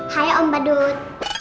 hai om badut